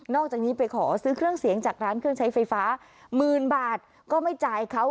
จากนี้ไปขอซื้อเครื่องเสียงจากร้านเครื่องใช้ไฟฟ้าหมื่นบาทก็ไม่จ่ายเขา